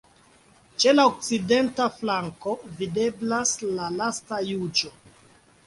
Ĉe la okcidenta flanko videblas la Lasta juĝo.